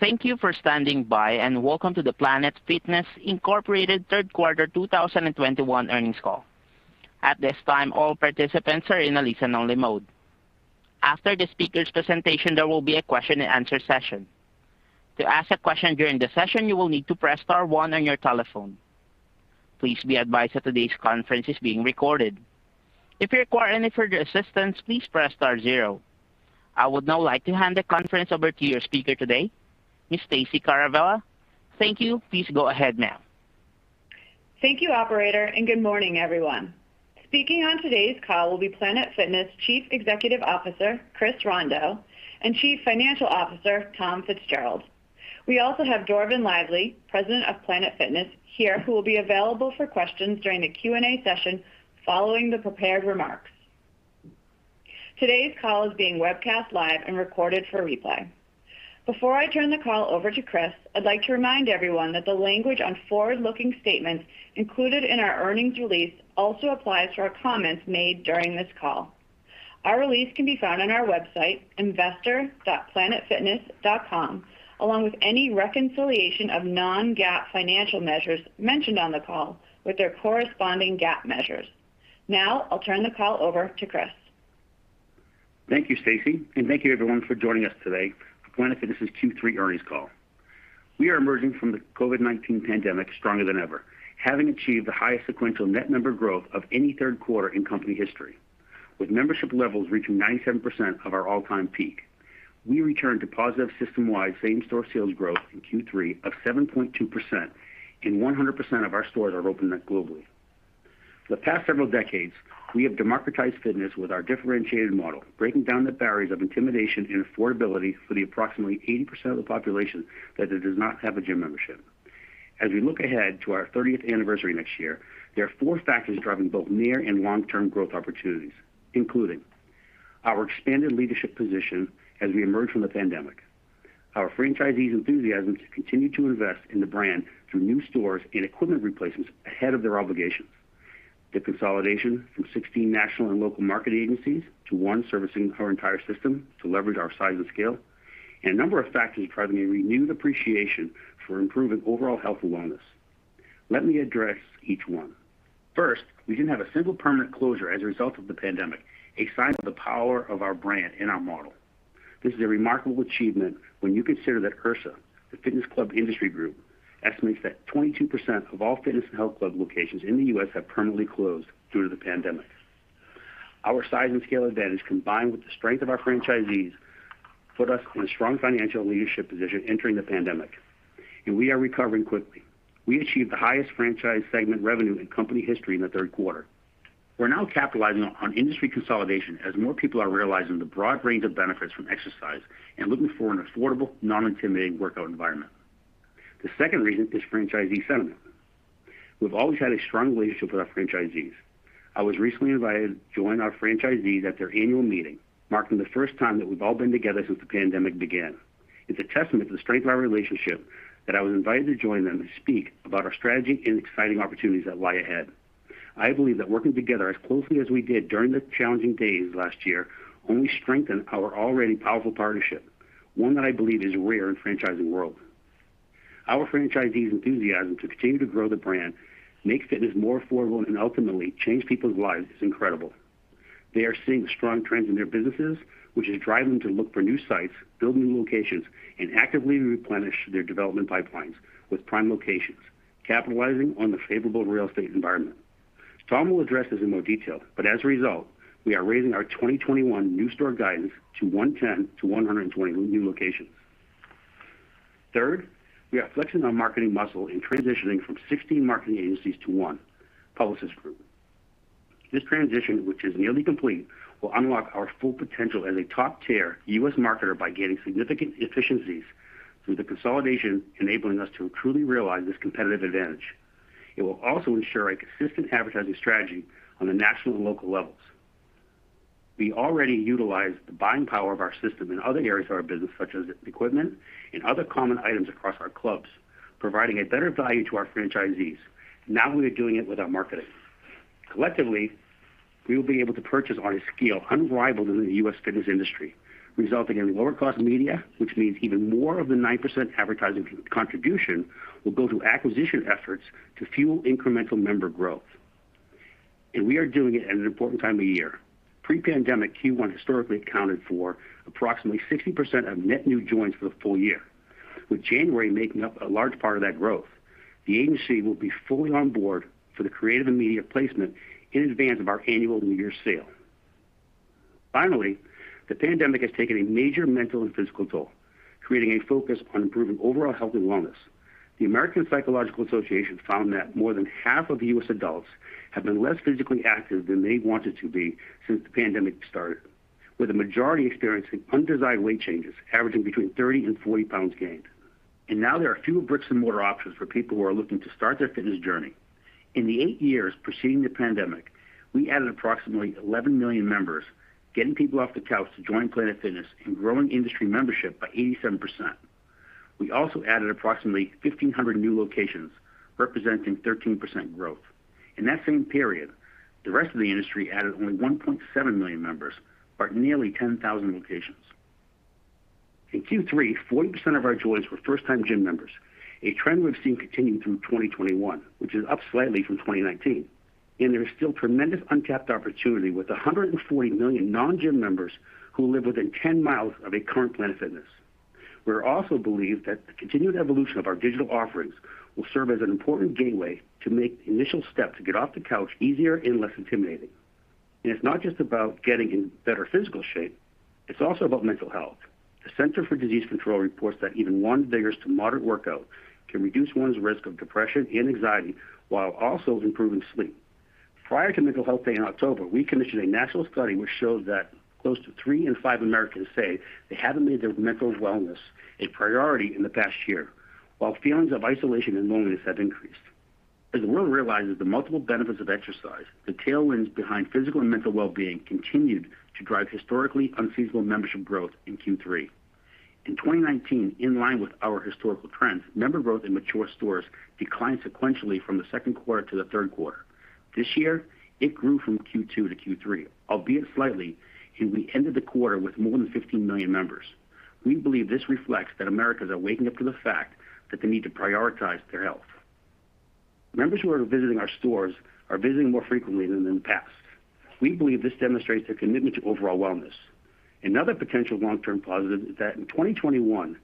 Thank you for standing by, and welcome to the Planet Fitness, Inc. third quarter 2021 earnings call. At this time, all participants are in a listen-only mode. After the speaker's presentation, there will be a question and answer session. To ask a question during the session, you will need to press star one on your telephone. Please be advised that today's conference is being recorded. If you require any further assistance, please press star zero. I would now like to hand the conference over to your speaker today, Miss Stacey Caravella. Thank you. Please go ahead, ma'am. Thank you, operator, and good morning, everyone. Speaking on today's call will be Planet Fitness Chief Executive Officer, Chris Rondeau, and Chief Financial Officer, Tom Fitzgerald. We also have Dorvin Lively, President of Planet Fitness, here, who will be available for questions during the Q&A session following the prepared remarks. Today's call is being webcast live and recorded for replay. Before I turn the call over to Chris, I'd like to remind everyone that the language on forward-looking statements included in our earnings release also applies to our comments made during this call. Our release can be found on our website, investor.planetfitness.com, along with any reconciliation of non-GAAP financial measures mentioned on the call with their corresponding GAAP measures. Now, I'll turn the call over to Chris. Thank you, Stacey, and thank you everyone for joining us today for Planet Fitness' Q3 earnings call. We are emerging from the COVID-19 pandemic stronger than ever, having achieved the highest sequential net member growth of any third quarter in company history, with membership levels reaching 97% of our all-time peak. We returned to positive system-wide same-store sales growth in Q3 of 7.2%, and 100% of our stores are opened up globally. The past several decades, we have democratized fitness with our differentiated model, breaking down the barriers of intimidation and affordability for the approximately 80% of the population that does not have a gym membership. As we look ahead to our 30th anniversary next year, there are four factors driving both near and long-term growth opportunities, including our expanded leadership position as we emerge from the pandemic, our franchisees' enthusiasm to continue to invest in the brand through new stores and equipment replacements ahead of their obligations, the consolidation from 16 national and local market agencies to one servicing our entire system to leverage our size and scale, and a number of factors driving a renewed appreciation for improving overall health and wellness. Let me address each one. First, we didn't have a single permanent closure as a result of the pandemic, a sign of the power of our brand and our model. This is a remarkable achievement when you consider that IHRSA, the fitness club industry group, estimates that 22% of all fitness and health club locations in the U.S. have permanently closed due to the pandemic. Our size and scale advantage, combined with the strength of our franchisees, put us in a strong financial leadership position entering the pandemic, and we are recovering quickly. We achieved the highest franchise segment revenue in company history in the third quarter. We're now capitalizing on industry consolidation as more people are realizing the broad range of benefits from exercise and looking for an affordable, non-intimidating workout environment. The second reason is franchisee sentiment. We've always had a strong relationship with our franchisees. I was recently invited to join our franchisees at their annual meeting, marking the first time that we've all been together since the pandemic began. It's a testament to the strength of our relationship that I was invited to join them to speak about our strategy and exciting opportunities that lie ahead. I believe that working together as closely as we did during the challenging days last year only strengthened our already powerful partnership, one that I believe is rare in the franchising world. Our franchisees' enthusiasm to continue to grow the brand, make fitness more affordable, and ultimately change people's lives is incredible. They are seeing strong trends in their businesses, which is driving them to look for new sites, build new locations, and actively replenish their development pipelines with prime locations, capitalizing on the favorable real estate environment. Tom will address this in more detail, but as a result, we are raising our 2021 new store guidance to 110-120 new locations. Third, we are flexing our marketing muscle in transitioning from 16 marketing agencies to one, Publicis Groupe. This transition, which is nearly complete, will unlock our full potential as a top-tier U.S. marketer by gaining significant efficiencies through the consolidation, enabling us to truly realize this competitive advantage. It will also ensure a consistent advertising strategy on the national and local levels. We already utilize the buying power of our system in other areas of our business, such as equipment and other common items across our clubs, providing a better value to our franchisees. Now we are doing it with our marketing. Collectively, we will be able to purchase on a scale unrivaled in the U.S. fitness industry, resulting in lower cost media, which means even more of the 9% advertising contribution will go to acquisition efforts to fuel incremental member growth. We are doing it at an important time of year. Pre-pandemic Q1 historically accounted for approximately 60% of net new joins for the full year, with January making up a large part of that growth. The agency will be fully on board for the creative and media placement in advance of our annual New Year's sale. Finally, the pandemic has taken a major mental and physical toll, creating a focus on improving overall health and wellness. The American Psychological Association found that more than half of U.S. adults have been less physically active than they wanted to be since the pandemic started, with the majority experiencing undesired weight changes, averaging between 30 and 40 pounds gained. Now there are fewer bricks-and-mortar options for people who are looking to start their fitness journey. In the eight years preceding the pandemic, we added approximately 11 million members, getting people off the couch to join Planet Fitness and growing industry membership by 87%. We also added approximately 1,500 new locations, representing 13% growth. In that same period, the rest of the industry added only 1.7 million members, but nearly 10,000 locations. In Q3, 40% of our joins were first-time gym members, a trend we've seen continue through 2021, which is up slightly from 2019. There is still tremendous untapped opportunity with 140 million non-gym members who live within 10 miles of a current Planet Fitness. We also believe that the continued evolution of our digital offerings will serve as an important gateway to make the initial step to get off the couch easier and less intimidating. It's not just about getting in better physical shape, it's also about mental health. The Centers for Disease Control and Prevention reports that even one vigorous to moderate workout can reduce one's risk of depression and anxiety while also improving sleep. Prior to World Mental Health Day in October, we commissioned a national study which showed that close to three in five Americans say they haven't made their mental wellness a priority in the past year, while feelings of isolation and loneliness have increased. As the world realizes the multiple benefits of exercise, the tailwinds behind physical and mental well-being continued to drive historically unfeasible membership growth in Q3. In 2019, in line with our historical trends, member growth in mature stores declined sequentially from the second quarter to the third quarter. This year, it grew from Q2 to Q3, albeit slightly, and we ended the quarter with more than 15 million members. We believe this reflects that Americans are waking up to the fact that they need to prioritize their health. Members who are visiting our stores are visiting more frequently than in the past. We believe this demonstrates their commitment to overall wellness. Another potential long-term positive is that in 2021,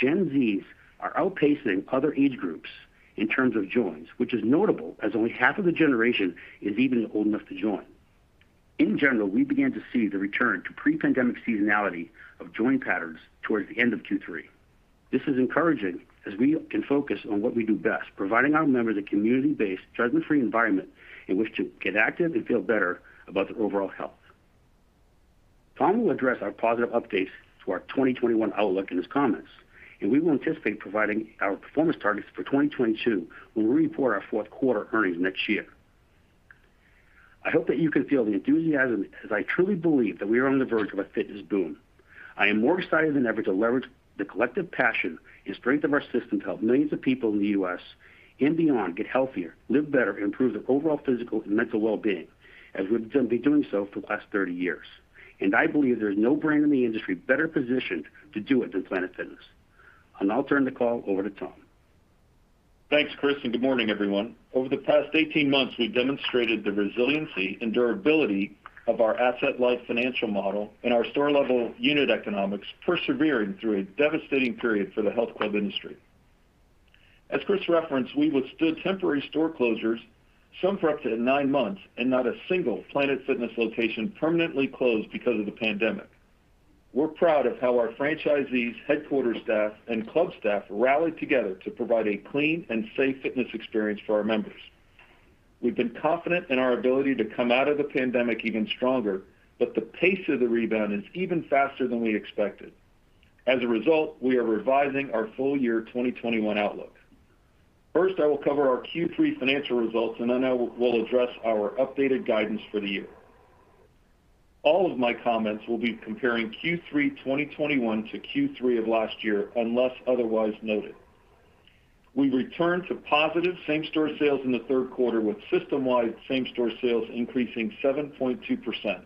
Gen Z's are outpacing other age groups in terms of joins, which is notable as only half of the generation is even old enough to join. In general, we began to see the return to pre-pandemic seasonality of join patterns towards the end of Q3. This is encouraging as we can focus on what we do best, providing our members a community-based, judgment-free environment in which to get active and feel better about their overall health. Tom will address our positive updates to our 2021 outlook in his comments, and we will anticipate providing our performance targets for 2022 when we report our fourth quarter earnings next year. I hope that you can feel the enthusiasm as I truly believe that we are on the verge of a fitness boom. I am more excited than ever to leverage the collective passion and strength of our system to help millions of people in the U.S. and beyond get healthier, live better, improve their overall physical and mental well-being, as we've been doing so for the last 30 years. I believe there's no brand in the industry better positioned to do it than Planet Fitness. I'll now turn the call over to Tom. Thanks, Chris, and good morning, everyone. Over the past 18 months, we've demonstrated the resiliency and durability of our asset-light financial model and our store-level unit economics persevering through a devastating period for the health club industry. As Chris referenced, we withstood temporary store closures, some for up to 9 months, and not a single Planet Fitness location permanently closed because of the pandemic. We're proud of how our franchisees, headquarters staff, and club staff rallied together to provide a clean and safe fitness experience for our members. We've been confident in our ability to come out of the pandemic even stronger, but the pace of the rebound is even faster than we expected. As a result, we are revising our full year 2021 outlook. First, I will cover our Q3 financial results, and then I will address our updated guidance for the year. All of my comments will be comparing Q3 2021 to Q3 of last year, unless otherwise noted. We returned to positive same-store sales in the third quarter with system-wide same-store sales increasing 7.2%.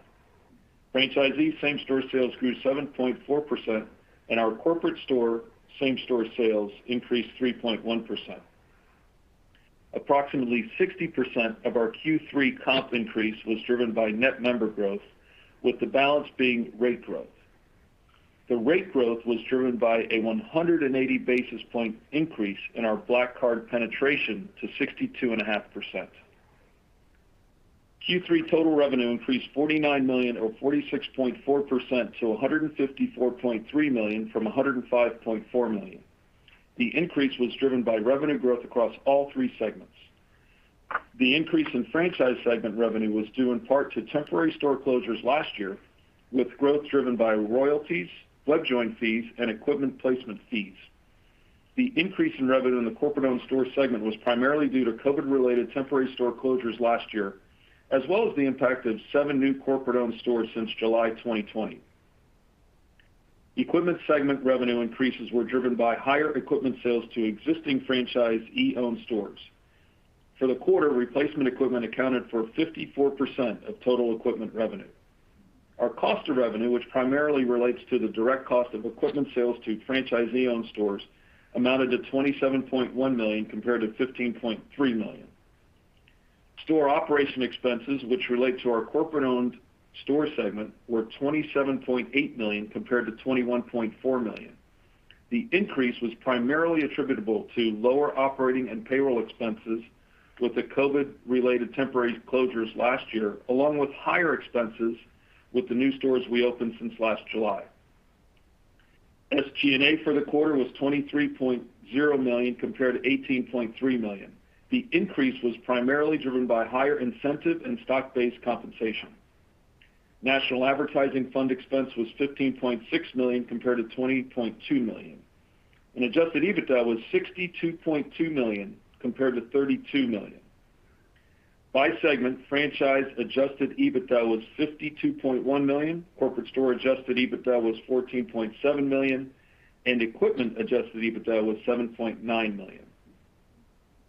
Franchisee same-store sales grew 7.4%, and our corporate store same-store sales increased 3.1%. Approximately 60% of our Q3 comp increase was driven by net member growth, with the balance being rate growth. The rate growth was driven by a 180 basis point increase in our black card penetration to 62.5%. Q3 total revenue increased $49 million or 46.4% to $154.3 million from $105.4 million. The increase was driven by revenue growth across all three segments. The increase in franchise segment revenue was due in part to temporary store closures last year, with growth driven by royalties, new unit fees, and equipment placement fees. The increase in revenue in the corporate-owned store segment was primarily due to COVID-related temporary store closures last year, as well as the impact of seven new corporate-owned stores since July 2020. Equipment segment revenue increases were driven by higher equipment sales to existing franchisee-owned stores. For the quarter, replacement equipment accounted for 54% of total equipment revenue. Our cost of revenue, which primarily relates to the direct cost of equipment sales to franchisee-owned stores, amounted to $27.1 million compared to $15.3 million. Store operation expenses, which relate to our corporate-owned store segment, were $27.8 million compared to $21.4 million. The increase was primarily attributable to lower operating and payroll expenses with the COVID-related temporary closures last year, along with higher expenses with the new stores we opened since last July. SG&A for the quarter was $23.0 million compared to $18.3 million. The increase was primarily driven by higher incentive and stock-based compensation. National advertising fund expense was $15.6 million compared to $20.2 million. Adjusted EBITDA was $62.2 million compared to $32 million. By segment, franchise adjusted EBITDA was $52.1 million, corporate store adjusted EBITDA was $14.7 million, and equipment adjusted EBITDA was $7.9 million.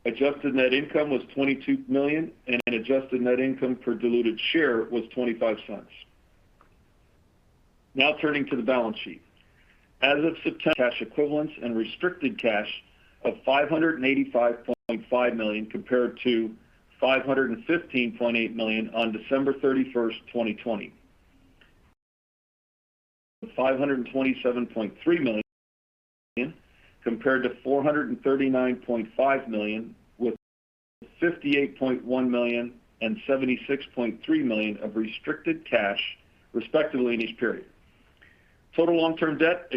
Adjusted net income was $22 million, and adjusted net income per diluted share was $0.25. Now turning to the balance sheet. As of September, cash equivalents and restricted cash of $585.5 million compared to $515.8 million on December 31st, 2020. $527.3 million compared to $439.5 million, with $58.1 million and $76.3 million of restricted cash, respectively, in each period. Total long-term debt,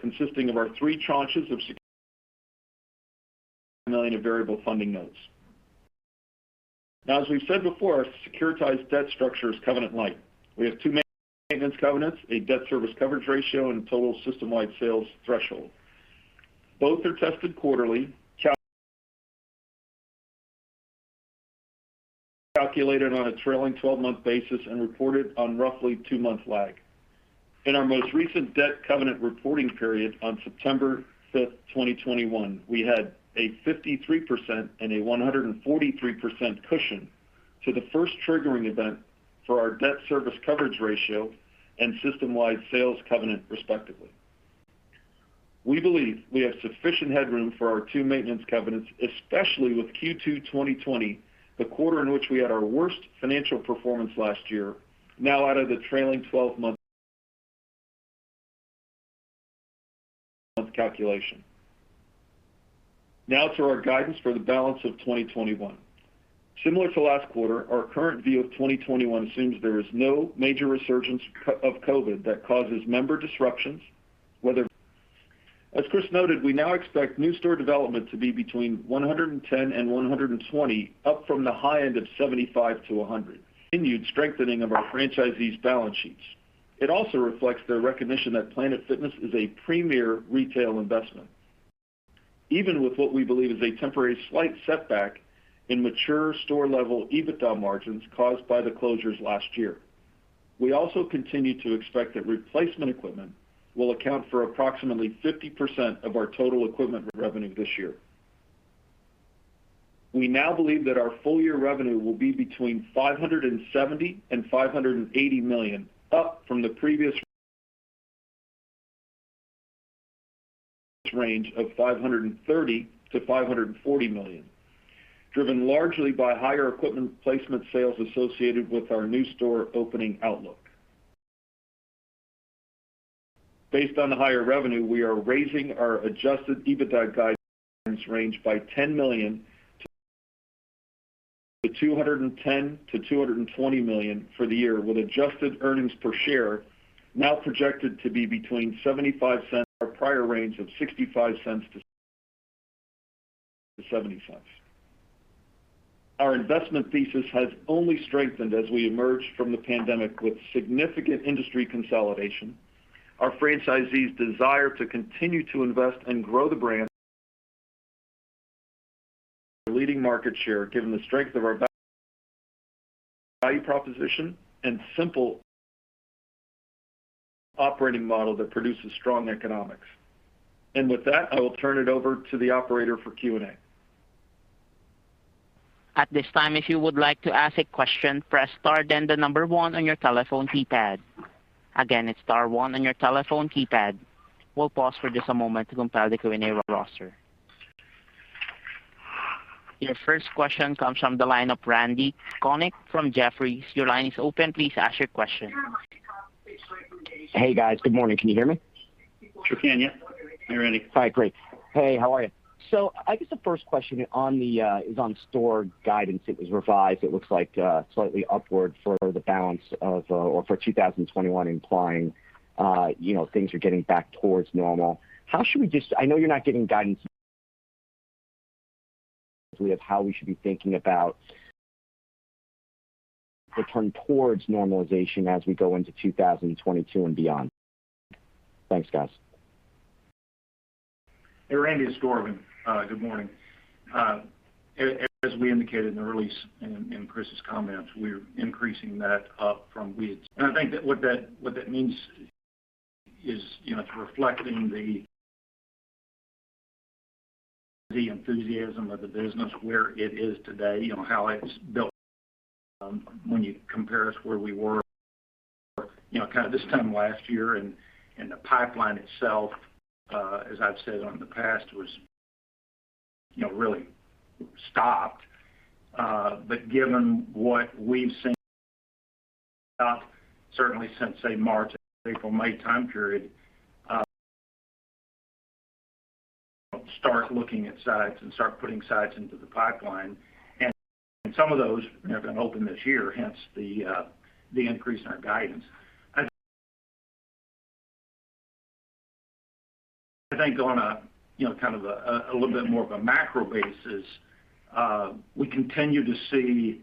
consisting of our three tranches million of Variable Funding Notes. Now, as we've said before, our securitized debt structure is covenant light. We have two maintenance covenants, a debt service coverage ratio and a total system-wide sales threshold. Both are tested quarterly, calculated on a trailing 12 month basis and reported on roughly two-month lag. In our most recent debt covenant reporting period on September 5th, 2021, we had a 53% and a 143% cushion to the first triggering event for our debt service coverage ratio and system-wide sales covenant, respectively. We believe we have sufficient headroom for our two maintenance covenants, especially with Q2 2020, the quarter in which we had our worst financial performance last year, now out of the trailing twelve-month calculation. Now to our guidance for the balance of 2021. Similar to last quarter, our current view of 2021 assumes there is no major resurgence of COVID that causes member disruptions. As Chris noted, we now expect new store development to be between 110 and 120, up from the high end of 75 to 100. Continued strengthening of our franchisees' balance sheets. It also reflects their recognition that Planet Fitness is a premier retail investment, even with what we believe is a temporary slight setback in mature store-level EBITDA margins caused by the closures last year. We also continue to expect that replacement equipment will account for approximately 50% of our total equipment revenue this year. We now believe that our full-year revenue will be between $570 million and $580 million, up from the previous range of $530 million to $540 million, driven largely by higher equipment placement sales associated with our new store opening outlook. Based on the higher revenue, we are raising our adjusted EBITDA guidance range by $10 million to $210 million-$220 million for the year, with adjusted earnings per share now projected to be between $0.75 to our prior range of $0.65-$0.70. Our investment thesis has only strengthened as we emerge from the pandemic with significant industry consolidation. Our franchisees desire to continue to invest and grow the brand. Leading market share given the strength of our value proposition and simple operating model that produces strong economics. With that, I will turn it over to the operator for Q&A. At this time, if you would like to ask a question, press star then one on your telephone keypad. Again, it's star one on your telephone keypad. We'll pause for just a moment to compile the Q&A roster. Your first question comes from the line of Randal Konik from Jefferies. Your line is open. Please ask your question. Hey, guys. Good morning. Can you hear me? Sure can, yeah. Hey, Randal. All right, great. Hey, how are you? I guess the first question is on store guidance. It was revised, it looks like, slightly upward for 2021 implying, you know, things are getting back towards normal. How should we be thinking about the turn towards normalization as we go into 2022 and beyond? I know you're not giving guidance on how we should be thinking. Thanks, guys. Hey, Randal, it's Dorvin. Good morning. As we indicated in the release in Chris's comments, we're increasing that up from we had. I think that what that means is, you know, it's reflecting the enthusiasm of the business where it is today, you know, how it's built, when you compare us where we were, you know, kind of this time last year and the pipeline itself, as I've said in the past, was really stopped. But given what we've seen, certainly since say March, April, May time period, we started looking at sites and started putting sites into the pipeline. Some of those have been open this year, hence the increase in our guidance. I think on a you know kind of a little bit more of a macro basis we continue to see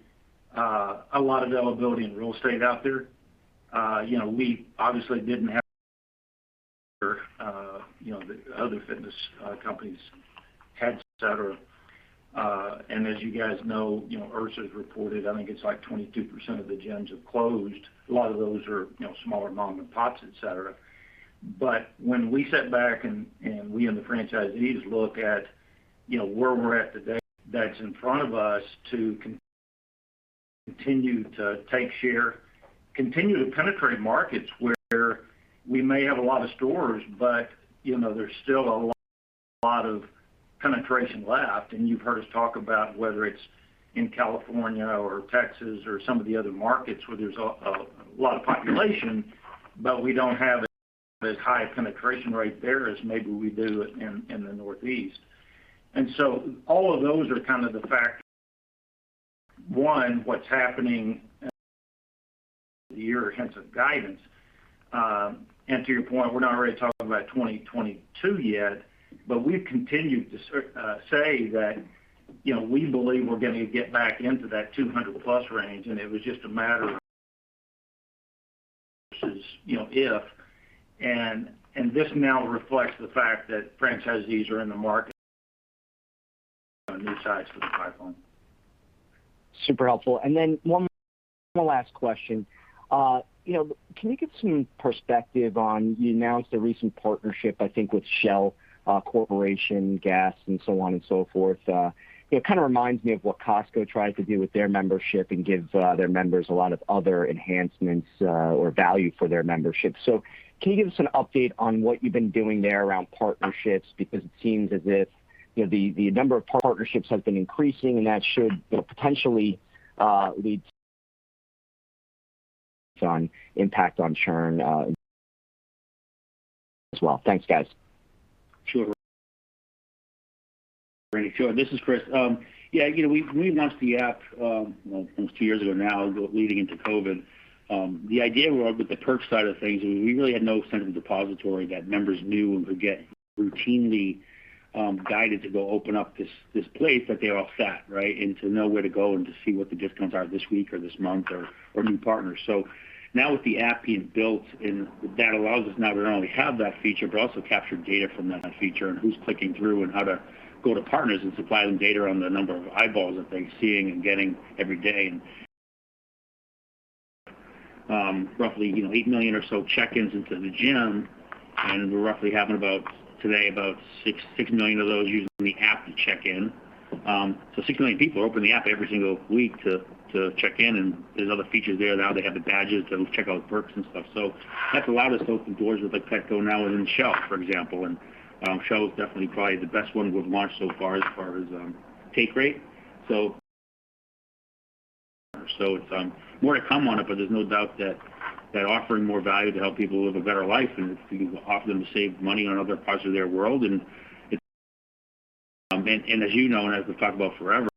a lot of availability in real estate out there. You know we obviously didn't have You know, the other fitness companies had et cetera. As you guys know, you know, IHRSA has reported, I think it's like 22% of the gyms have closed. A lot of those are, you know, smaller mom-and-pops, et cetera. But when we sat back and we and the franchisees just look at, you know, where we're at today that's in front of us to continue to take share, continue to penetrate markets where we may have a lot of stores, but, you know, there's still a lot of penetration left. You've heard us talk about whether it's in California or Texas or some of the other markets where there's a lot of population, but we don't have as high a penetration rate there as maybe we do in the Northeast. All of those are kind of the factors. One, what's happening in a year hence of guidance. To your point, we're not really talking about 2022 yet, but we've continued to say that, you know, we believe we're gonna get back into that 200+ range, and it was just a matter of versus, you know, if and this now reflects the fact that franchisees are in the market on these sites for the pipeline. Super helpful. Then one more last question. You know, can you give some perspective on, you announced a recent partnership, I think, with Shell Corporation, gas and so on and so forth. It kind of reminds me of what Costco tries to do with their membership and give their members a lot of other enhancements or value for their membership. So can you give us an update on what you've been doing there around partnerships? Because it seems as if, you know, the number of partnerships have been increasing and that should, you know, potentially lead to an impact on churn as well. Thanks, guys. Sure. Randal, sure. This is Chris. We launched the app almost two years ago now, leading into COVID. The idea with the perks side of things is we really had no central depository that members knew and could get routinely guided to go open up this place that they all sat, right? To know where to go and to see what the discounts are this week or this month or new partners. Now with the app being built and that allows us now to not only have that feature, but also capture data from that feature and who's clicking through and how to go to partners and supply them data on the number of eyeballs that they're seeing and getting every day. Roughly, you know, eight million or so check-ins into the gym, and we're roughly having about today, about six million of those using the app to check in. six million people open the app every single week to check in, and there's other features there. Now they have the badges to check out perks and stuff. That's allowed us to open doors with a tech go now within Shell Corporation, for example. Shell Corporation is definitely probably the best one we've launched so far as far as take rate. It's more to come on it, but there's no doubt that offering more value to help people live a better life and if you offer them to save money on other parts of their world. As you know, as we've talked about forever,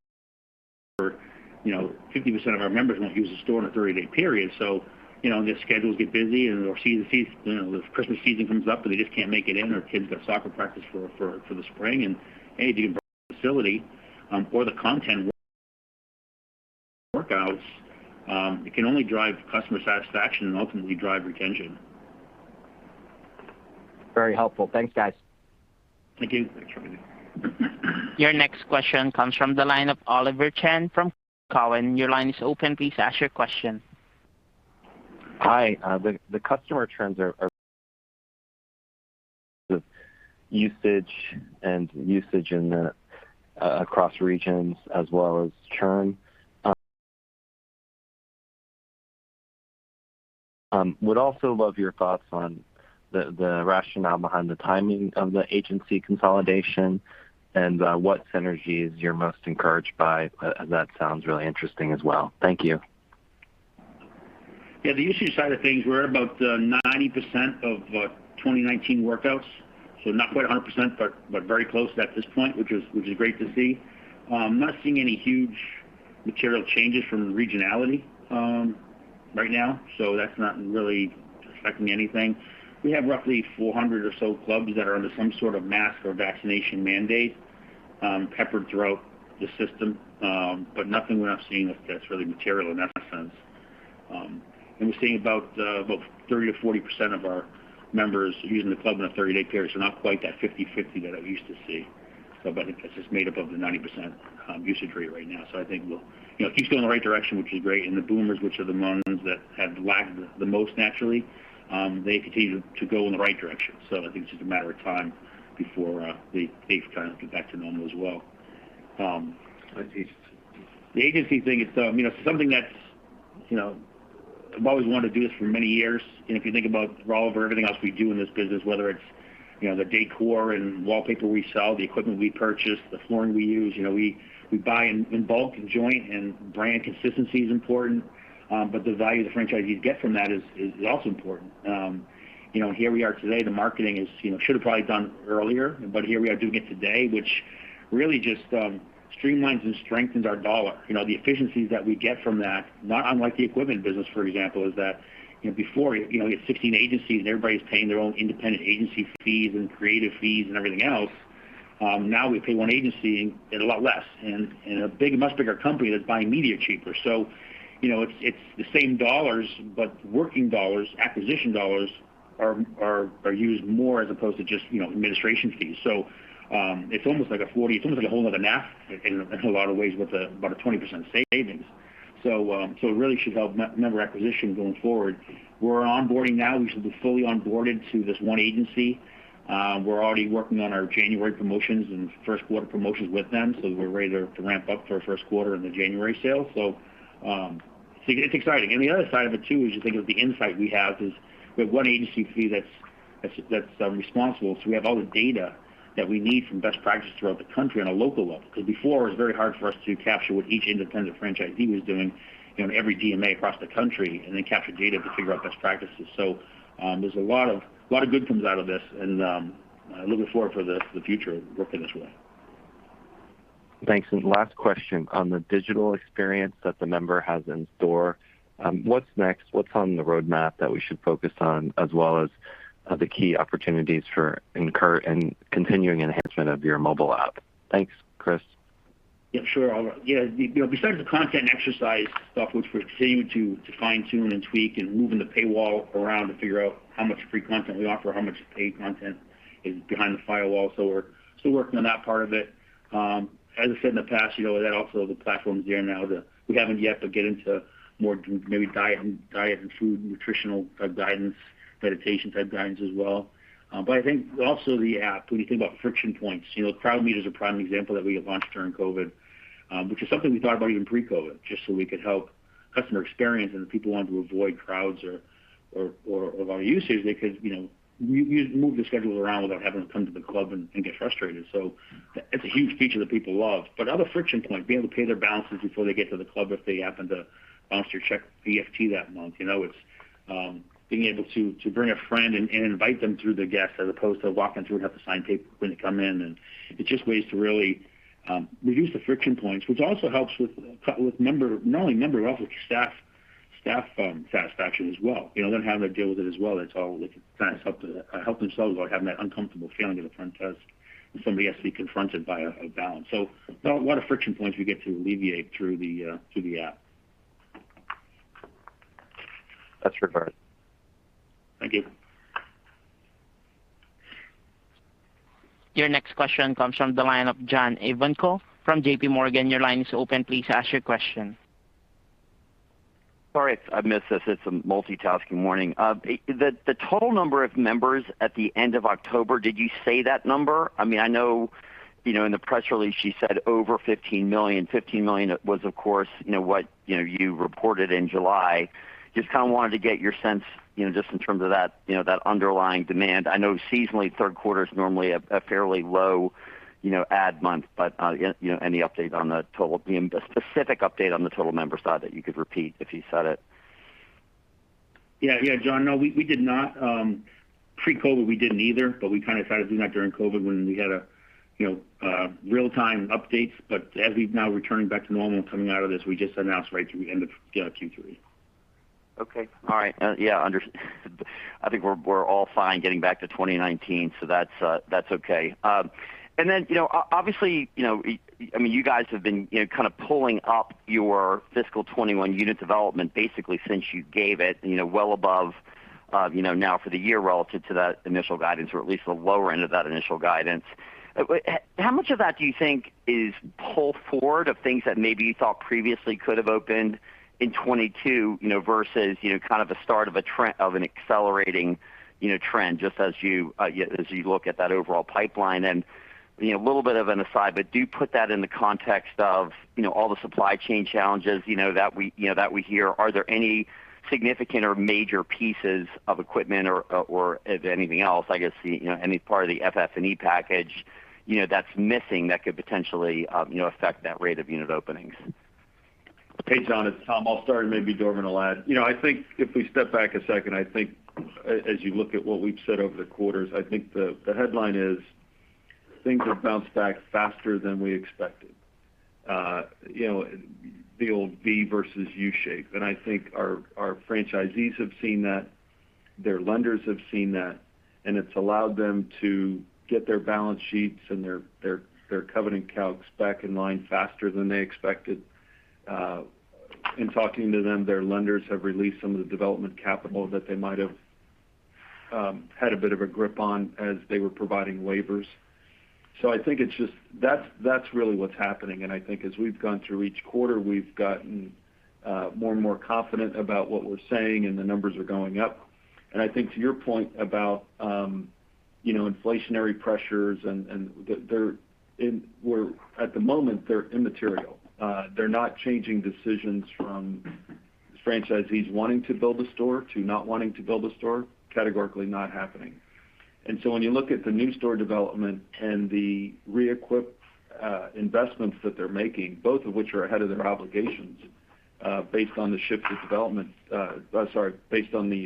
you know, 50% of our members won't use the store in a 30-day period. You know, their schedules get busy and or season, you know, the Christmas season comes up, but they just can't make it in, or kids got soccer practice for the spring. If you can bring the facility or the content workouts, it can only drive customer satisfaction and ultimately drive retention. Very helpful. Thanks, guys. Thank you. Your next question comes from the line of Oliver Chen from TD Cowen. Your line is open. Please ask your question. Hi. The customer trends are usage across regions as well as churn. Would also love your thoughts on the rationale behind the timing of the agency consolidation and what synergies you're most encouraged by. That sounds really interesting as well. Thank you. Yeah. The usage side of things, we're about 90% of 2019 workouts, so not quite 100%, but very close at this point, which is great to see. I'm not seeing any huge material changes from regionality right now, so that's not really affecting anything. We have roughly 400 or so clubs that are under some sort of mask or vaccination mandate, peppered throughout the system. But nothing we're not seeing that's really material in that sense. We're seeing about 30%-40% of our members using the club in a 30-day period, so not quite that 50%-50% that I used to see. But I think that's just made up of the 90% usage rate right now. I think we'll keep going in the right direction, which is great. The boomers, which are the ones that have lagged the most naturally, they continue to go in the right direction. I think it's just a matter of time before they kind of get back to normal as well. The agency thing is something that I've always wanted to do this for many years. If you think about Oliver, everything else we do in this business, whether it's the decor and wallpaper we sell, the equipment we purchase, the flooring we use, we buy in bulk and jointly, and brand consistency is important. But the value the franchisees get from that is also important. Here we are today. The marketing is, you know, should have probably done earlier, but here we are doing it today, which really just streamlines and strengthens our dollar. You know, the efficiencies that we get from that, not unlike the equipment business, for example, is that, you know, before, you know, you had 16 agencies and everybody's paying their own independent agency fees and creative fees and everything else. Now we pay one agency and a lot less and a big, much bigger company that's buying media cheaper. You know, it's the same dollars, but working dollars, acquisition dollars are used more as opposed to just, you know, administration fees. It's almost like a whole other NAF in a lot of ways with about a 20% savings. It really should help member acquisition going forward. We're onboarding now. We should be fully onboarded to this one agency. We're already working on our January promotions and first quarter promotions with them, so we're ready to ramp up for our first quarter and the January sale. It's exciting. The other side of it too, as you think of the insight we have is we have one agency fee that's responsible. We have all the data that we need from best practices throughout the country on a local level. Because before it was very hard for us to capture what each independent franchisee was doing in every DMA across the country and then capture data to figure out best practices. There's a lot of good comes out of this and looking forward for the future working this way. Thanks. Last question. On the digital experience that the member has in store, what's next? What's on the roadmap that we should focus on as well as, the key opportunities for in-app and continuing enhancement of your mobile app? Thanks, Chris. Yeah, sure. I'll yeah. You know, besides the content and exercise stuff, which we're continuing to fine-tune and tweak and moving the paywall around to figure out how much free content we offer, how much paid content is behind the paywall. We're still working on that part of it. As I said in the past, you know, that also the platform's there now. We haven't yet, but get into more maybe diet and food, nutritional guidance, meditation type guidance as well. I think also the app, when you think about friction points, you know, Crowd Meter is a prime example that we have launched during COVID, which is something we thought about even pre-COVID, just so we could help customer experience and the people wanting to avoid crowds or low usage. They could, you know, we move the schedules around without having to come to the club and get frustrated. It's a huge feature that people love. Other friction point, being able to pay their balances before they get to the club if they happen to bounce your check EFT that month. You know, it's being able to Bring a Friend and invite them through the guest as opposed to walking through and have to sign paperwork when they come in. It's just ways to really reduce the friction points, which also helps with member, not only member, but also with staff satisfaction as well. You know, they're having to deal with it as well. It's all kind of help to help themselves without having that uncomfortable feeling at the front desk when somebody has to be confronted by a balance. A lot of friction points we get to alleviate through the app. That's recorded. Thank you. Your next question comes from the line of John Ivankoe from JPMorgan. Your line is open. Please ask your question. Sorry if I missed this. It's a multitasking morning. The total number of members at the end of October, did you say that number? I mean, I know, you know, in the press release you said over 15 million. 15 million was of course, you know, what, you know, you reported in July. Just kind of wanted to get your sense, you know, just in terms of that, you know, that underlying demand. I know seasonally third quarter is normally a fairly low, you know, add month. You know, any update on the total, the specific update on the total member side that you could repeat if you said it? Yeah, John, no, we did not. Pre-COVID we didn't either, but we kind of started doing that during COVID when we had a, you know, real-time updates. As we've now returned back to normal and coming out of this, we just announced right at the end of, you know, Q3. Okay. All right. Yeah, I think we're all fine getting back to 2019, so that's okay. You know, obviously, you know, I mean, you guys have been, you know, kind of pulling up your fiscal 2021 unit development basically since you gave it, you know, well above, you know, now for the year relative to that initial guidance or at least the lower end of that initial guidance. How much of that do you think is pull forward of things that maybe you thought previously could have opened in 2022, you know, versus, you know, kind of a start of a trend of an accelerating, you know, trend just as you as you look at that overall pipeline? You know, a little bit of an aside, but do put that in the context of, you know, all the supply chain challenges, you know, that we hear. Are there any significant or major pieces of equipment or if anything else, I guess, you know, any part of the FF&E package, you know, that's missing that could potentially, you know, affect that rate of unit openings? Hey, John, it's Tom. I'll start and maybe Dorvin will add. You know, I think if we step back a second, I think as you look at what we've said over the quarters, I think the headline is things have bounced back faster than we expected. You know, the old V versus U shape. I think our franchisees have seen that, their lenders have seen that, and it's allowed them to get their balance sheets and their covenant calcs back in line faster than they expected. In talking to them, their lenders have released some of the development capital that they might have had a bit of a grip on as they were providing waivers. I think it's just that's really what's happening. I think as we've gone through each quarter, we've gotten more and more confident about what we're saying and the numbers are going up. I think to your point about, you know, inflationary pressures and they're immaterial at the moment. They're not changing decisions from franchisees wanting to build a store to not wanting to build a store, categorically not happening. When you look at the new store development and the re-equip investments that they're making, both of which are ahead of their obligations, based on the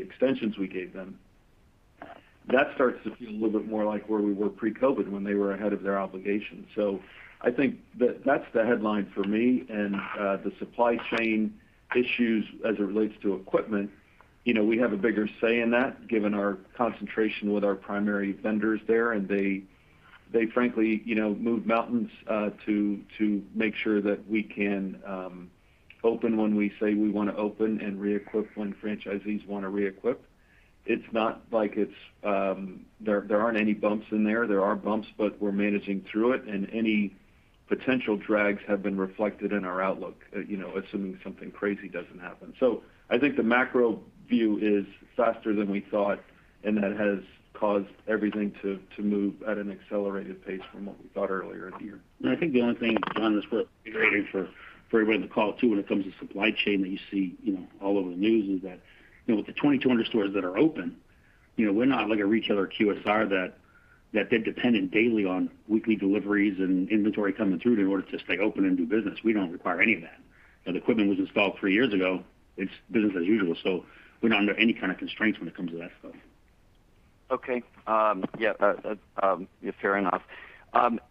extensions we gave them, that starts to feel a little bit more like where we were pre-COVID when they were ahead of their obligations. I think that's the headline for me. The supply chain issues as it relates to equipment. You know, we have a bigger say in that, given our concentration with our primary vendors there, and they frankly, you know, move mountains to make sure that we can open when we say we wanna open and re-equip when franchisees wanna re-equip. It's not like it's. There aren't any bumps in there. There are bumps, but we're managing through it, and any potential drags have been reflected in our outlook, you know, assuming something crazy doesn't happen. I think the macro view is faster than we thought, and that has caused everything to move at an accelerated pace from what we thought earlier in the year. I think the only thing, John, that's worth reiterating for everyone in the call, too, when it comes to supply chain that you see, you know, all over the news is that, you know, with the 2,200 stores that are open, you know, we're not like a retailer QSR that they're dependent daily on weekly deliveries and inventory coming through in order to stay open and do business. We don't require any of that. If the equipment was installed three years ago, it's business as usual. We're not under any kind of constraints when it comes to that stuff. Okay. Yeah, fair enough.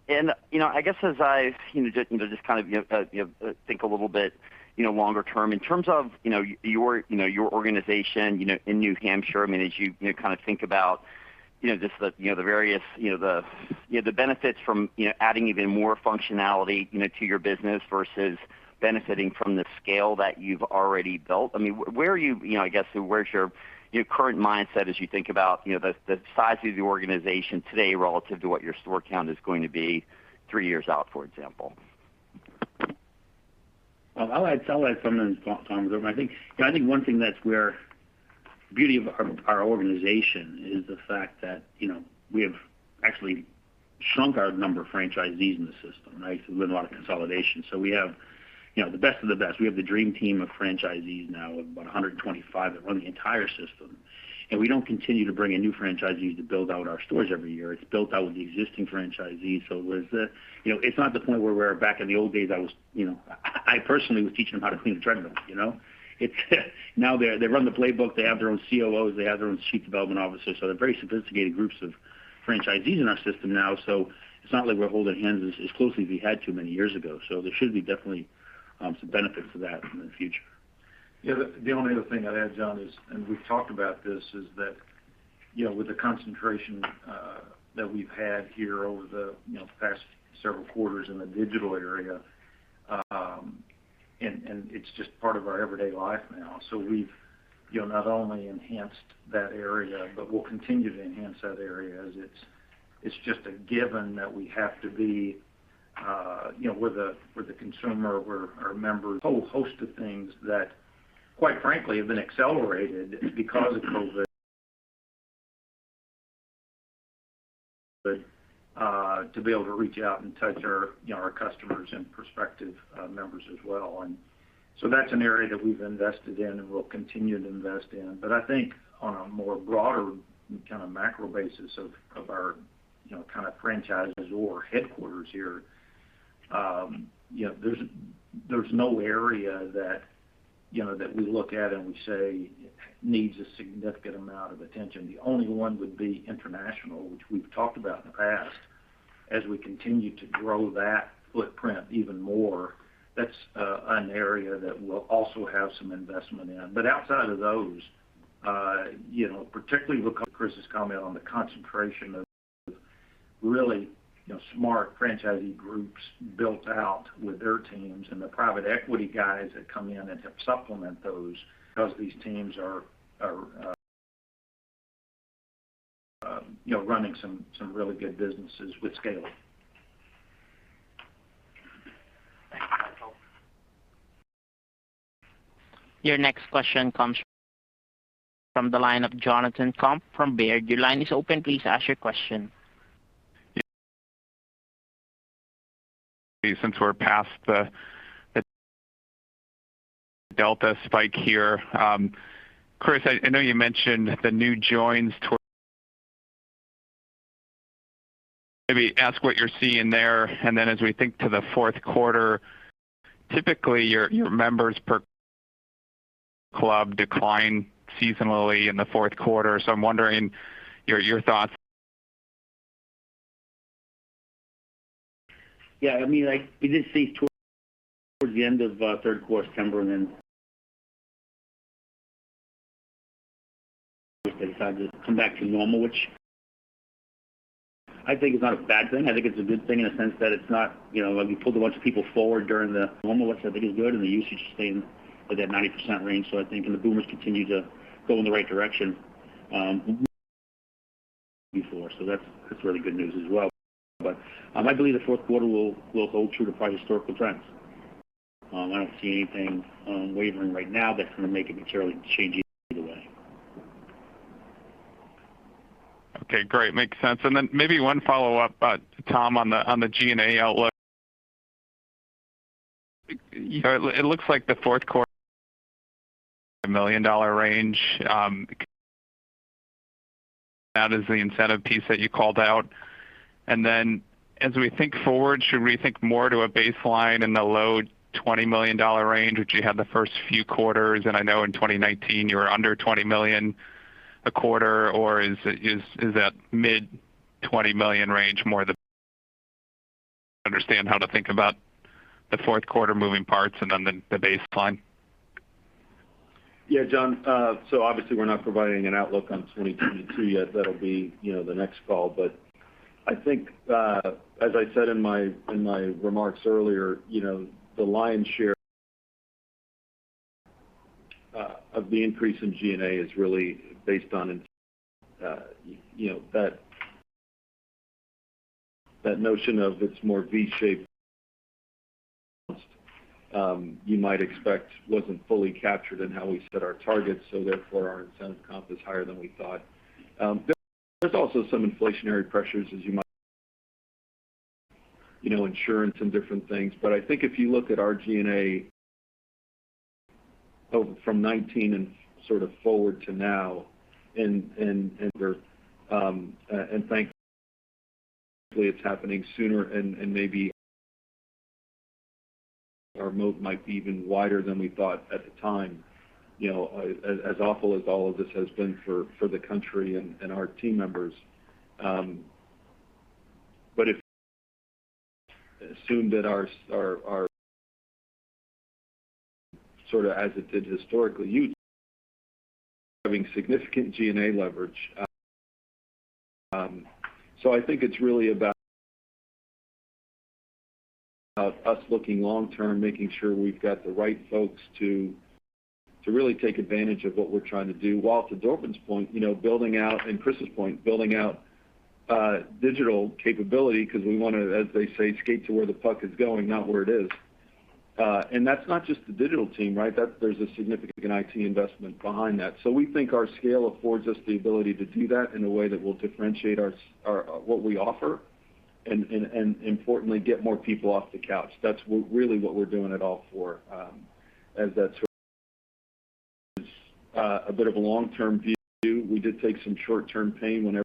You know, I guess as I've you know just you know just kind of you know you know think a little bit you know longer term in terms of you know your you know your organization you know in New Hampshire, I mean, as you you know kind of think about you know just the you know the various you know the you know the benefits from you know adding even more functionality you know to your business versus benefiting from the scale that you've already built. I mean, where are you you know I guess where's your your current mindset as you think about you know the the size of the organization today relative to what your store count is going to be three years out, for example? Well, I'll add something, John, I think. I think one thing that's the beauty of our organization is the fact that, you know, we have actually shrunk our number of franchisees in the system, right? We've done a lot of consolidation. We have, you know, the best of the best. We have the dream team of franchisees now of about 125 that run the entire system. We don't continue to bring in new franchisees to build out our stores every year. It's built out with the existing franchisees. Whereas, you know, it's not the point where we're back in the old days, I was, you know, I personally was teaching them how to clean a treadmill, you know. It's now they run the playbook. They have their own COOs, they have their own chief development officers. They're very sophisticated groups of franchisees in our system now. It's not like we're holding hands as closely as we had to many years ago. There should be definitely some benefit to that in the future. Yeah. The only other thing I'd add, John, is and we've talked about this is that you know with the concentration that we've had here over you know the past several quarters in the digital area and it's just part of our everyday life now. We've you know not only enhanced that area but we'll continue to enhance that area as it's just a given that we have to be you know with the consumer or our members. A whole host of things that quite frankly have been accelerated because of COVID to be able to reach out and touch our you know our customers and prospective members as well. That's an area that we've invested in and we'll continue to invest in. I think on a more broader kind of macro basis of our, you know, kind of franchisors headquarters here, you know, there's no area that, you know, that we look at and we say needs a significant amount of attention. The only one would be international, which we've talked about in the past. As we continue to grow that footprint even more, that's an area that we'll also have some investment in. Outside of those, you know, particularly Chris's comment on the concentration of really, you know, smart franchisee groups built out with their teams and the private equity guys that come in and help supplement those because these teams are, you know, running some really good businesses with scale. [inaudible] Your next question comes from the line of Jonathan Komp from Baird. Your line is open. Please ask your question. Since we're past the Delta spike here, Chris, I know you mentioned the new joins toward. Maybe ask what you're seeing there. Then as we think to the fourth quarter, typically your members per club decline seasonally in the fourth quarter. I'm wondering your thoughts. Yeah. I mean, like we did see towards the end of third quarter September and then they decided to come back to normal, which I think is not a bad thing. I think it's a good thing in a sense that it's not, you know, we pulled a bunch of people forward during the abnormal, which I think is good, and the usage has stayed in, like that 90% range. I think and the boomers continue to go in the right direction before, so that's really good news as well. I believe the fourth quarter will hold true to prior historical trends. I don't see anything wavering right now that's gonna make it materially change either way. Okay, great. Makes sense. Maybe one follow-up, Tom, on the SG&A outlook. It looks like the fourth quarter million dollar range. That is the incentive piece that you called out. As we think forward, should we think more to a baseline in the low $20 million range, which you had the first few quarters, and I know in 2019 you were under $20 million a quarter, or is that mid $20 million range more the baseline. Understand how to think about the fourth quarter moving parts and then the baseline. Yeah, John. Obviously we're not providing an outlook on 2022 yet. That'll be, you know, the next call. I think, as I said in my remarks earlier, you know, the lion's share of the increase in SG&A is really based on, you know, that notion of it's more V-shaped, you might expect wasn't fully captured in how we set our targets, so therefore our incentive comp is higher than we thought. There's also some inflationary pressures as you might, you know, insurance and different things. I think if you look at our SG&A from 2019 and sort of forward to now and there, it's happening sooner and maybe our moat might be even wider than we thought at the time. You know, as awful as all of this has been for the country and our team members, if we assume that our SG&A sort of as it did historically, yielding significant SG&A leverage. So I think it's really about us looking long-term, making sure we've got the right folks to really take advantage of what we're trying to do. Well, to Dorvin's point, you know, building out and Chris's point, building out digital capability because we wanna, as they say, skate to where the puck is going, not where it is. That's not just the digital team, right? There's a significant IT investment behind that. We think our scale affords us the ability to do that in a way that will differentiate our what we offer and importantly get more people off the couch. That's really what we're doing it all for, as that sort of a bit of a long-term view. We did take some short-term pain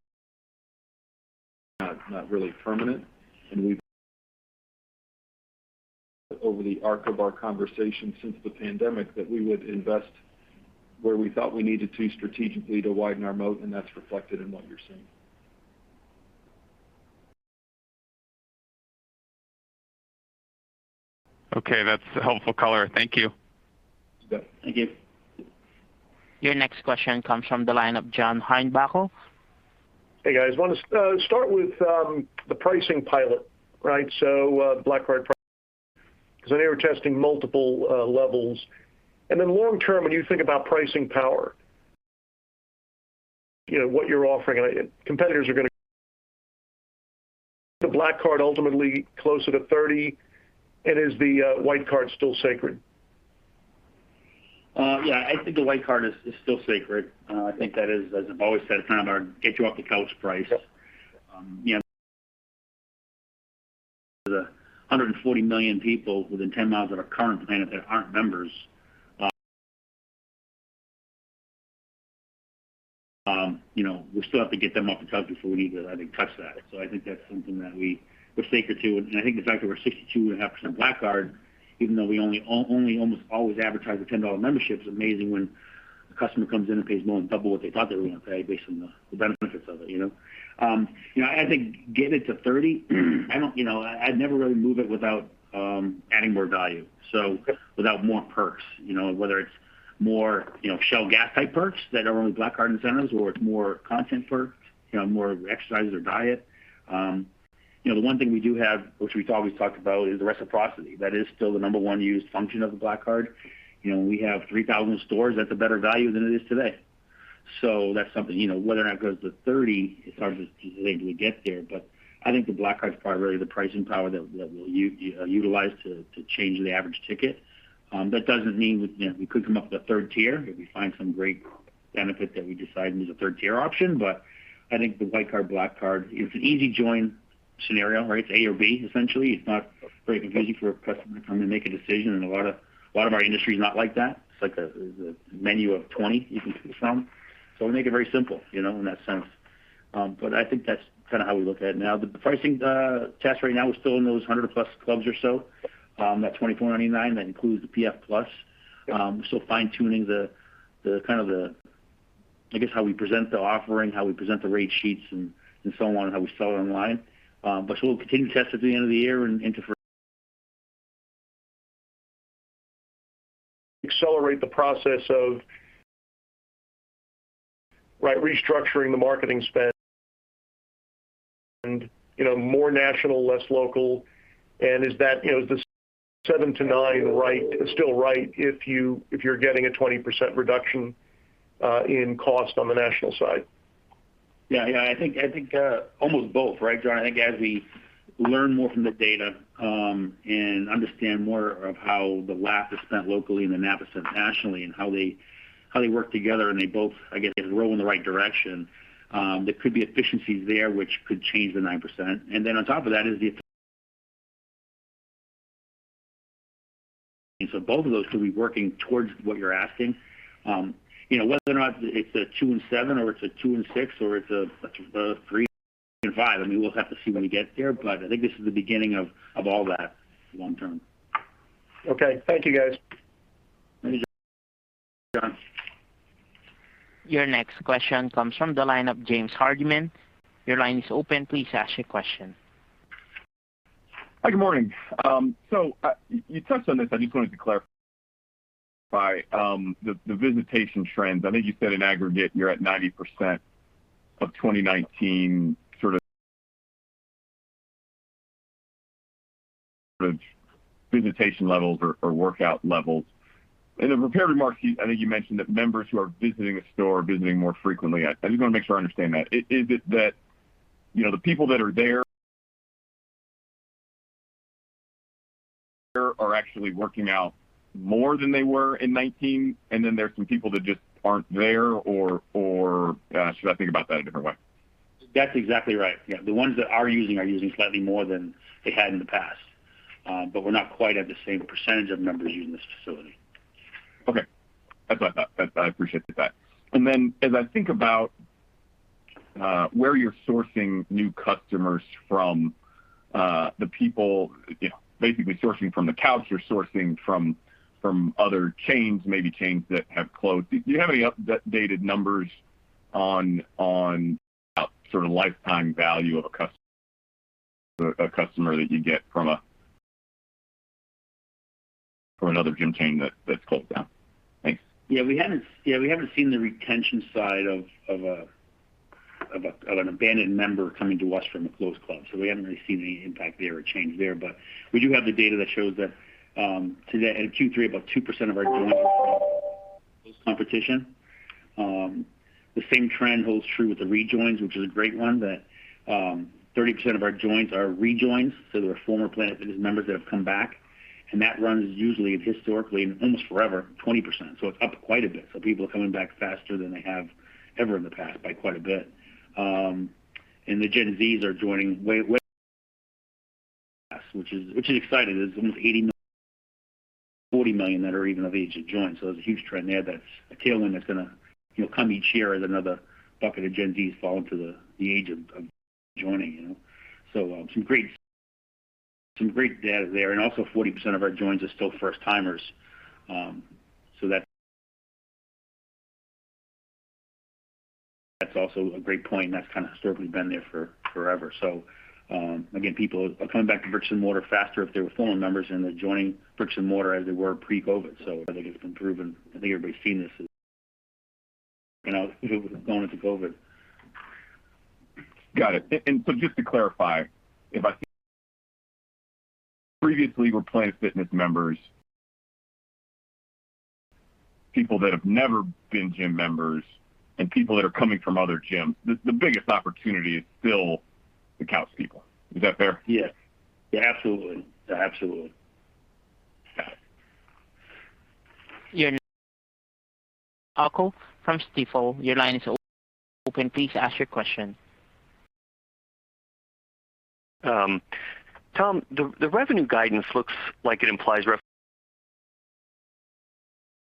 however, not really permanent. We have over the arc of our conversation since the pandemic that we would invest where we thought we needed to strategically to widen our moat, and that's reflected in what you're seeing. Okay. That's helpful color. Thank you. You bet. Thank you. Your next question comes from the line of John Heinbockel. Hey, guys. Want to start with the pricing pilot, right? Black Card pricing, 'cause I know you were testing multiple levels. Long term, when you think about pricing power, you know, what you're offering and competitors are gonna. The Black Card ultimately closer to $30, and is the White Card still sacred? Yeah. I think the White Card is still sacred. I think that is, as I've always said, kind of our get you off the couch price. You know, the 140 million people within 10 miles of our current plan that aren't members, you know, we still have to get them off the couch before we need to, I think, touch that. I think that's something that we're sacred to. I think the fact that we're 62.5% Black Card, even though we only almost always advertise a $10 membership, is amazing when a customer comes in and pays more than double what they thought they were gonna pay based on the benefits of it, you know? You know, as I get it to 30, I don't, you know... I'd never really move it without adding more value. Without more perks, you know, whether it's more, you know, Shell gas type perks that are only Black Card incentives or it's more content perks, you know, more exercise or diet. The one thing we do have, which we've always talked about, is the reciprocity. That is still the number one used function of the Black Card. You know, when we have 3,000 stores, that's a better value than it is today. That's something, you know, whether or not it goes to 30, it's hard to say until we get there. I think the Black Card is probably the pricing power that we'll utilize to change the average ticket. That doesn't mean we, you know, we could come up with a third tier if we find some great benefit that we decide is a third tier option. I think the White Card, Black Card is an easy join scenario, right? It's A or B, essentially. It's not very confusing for a customer to come and make a decision, and a lot of our industry is not like that. It's like a menu of 20 you can choose from. We make it very simple, you know, in that sense. I think that's kinda how we look at it. Now, the pricing test right now is still in those 100+ clubs or so. That $24.99, that includes the PF+. Fine-tuning the kind of, I guess, how we present the offering, how we present the rate sheets and so on, how we sell it online. We'll continue to test at the end of the year and into for- Accelerate the process of, right, restructuring the marketing spend, you know, more national, less local. Is that, you know, is the 7%-9% right, still right if you, if you're getting a 20% reduction in cost on the national side? I think almost both, right, John? I think as we learn more from the data, and understand more of how the LAP is spent locally and the NAP is spent nationally and how they work together and they both, I guess, go in the right direction, there could be efficiencies there which could change the 9%. Then on top of that, both of those could be working towards what you're asking. You know, whether or not it's a 2% and 7% or it's a 2% and 6% or it's a 3% and 5%, I mean, we'll have to see when we get there. I think this is the beginning of all that long term. Okay. Thank you, guys. Thank you, John. Your next question comes from the line of James Hardiman. Your line is open. Please ask your question. Hi, good morning. You touched on this, I just wanted to clarify the visitation trends. I think you said in aggregate you're at 90% of 2019 sort of visitation levels or workout levels. In the prepared remarks, you I think you mentioned that members who are visiting a store are visiting more frequently. I just want to make sure I understand that. Is it that, you know, the people that are there are actually working out more than they were in 2019, and then there are some people that just aren't there or should I think about that a different way? That's exactly right. Yeah. The ones that are using are using slightly more than they had in the past, but we're not quite at the same percentage of members using this facility. Okay. That's what I thought. That's I appreciate the fact. As I think about where you're sourcing new customers from, the people you know basically sourcing from the couch, you're sourcing from other chains, maybe chains that have closed. Do you have any up-to-date numbers on sort of lifetime value of a customer that you get from another gym chain that's closed down? Thanks. Yeah, we haven't seen the retention side of an abandoned member coming to us from a closed club. We haven't really seen any impact there or change there. We do have the data that shows that, today in Q3, about 2% of our joins from competition. The same trend holds true with the rejoins, which is a great one, that 30% of our joins are rejoins. They're former Planet Fitness members that have come back. That runs usually historically and almost forever, 20%. It's up quite a bit. People are coming back faster than they have ever in the past by quite a bit. The Gen Z are joining way, which is exciting. There's almost 84 million that are even of age to join. There's a huge trend there. That's a tailwind that's gonna, you know, come each year as another bucket of Gen Z's fall into the age of joining, you know. Some great data there. Also 40% of our joins are still first timers. That's also a great point, and that's kind of historically been there for forever. People are coming back to bricks and mortar faster if they were former members and they're joining bricks and mortar as they were pre-COVID. I think it's been proven. I think everybody's seen this, you know, going into COVID. Got it. Just to clarify, if I previously were Planet Fitness members, people that have never been gym members and people that are coming from other gyms, the biggest opportunity is still the couch people. Is that fair? Yes. Yeah, absolutely. Absolutely. Got it. Chris O'Cull from Stifel, your line is open. Please ask your question. Tom, the revenue guidance looks like it implies revenue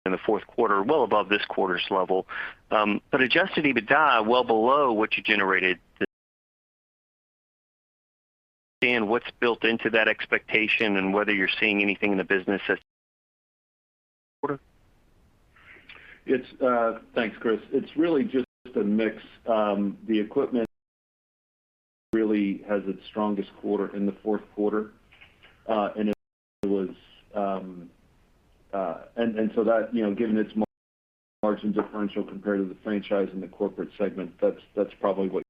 in the fourth quarter, well above this quarter's level. But adjusted EBITDA well below what you generated and what's built into that expectation, and whether you're seeing anything in the business that quarter? It's thanks, Chris. It's really just a mix. The equipment really has its strongest quarter in the fourth quarter, and so that, you know, given its margin differential compared to the franchise and the corporate segment, that's probably what.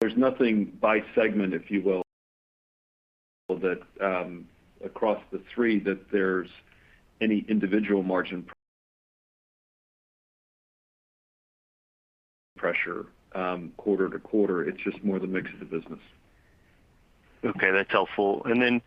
There's nothing by segment, if you will, that across the three that there's any individual margin pressure, quarter to quarter. It's just more the mix of the business. Okay. That's helpful. Then,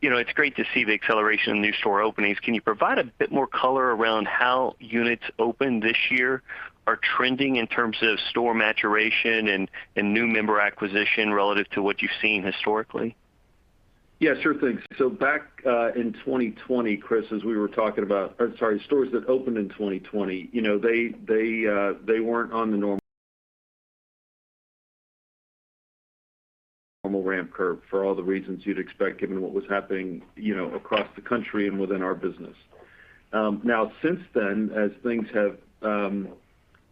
you know, it's great to see the acceleration in new store openings. Can you provide a bit more color around how units opened this year are trending in terms of store maturation and new member acquisition relative to what you've seen historically? Yeah, sure thing. Back in 2020, Chris, stores that opened in 2020, you know, they weren't on the normal ramp curve for all the reasons you'd expect given what was happening, you know, across the country and within our business. Now since then, as things have,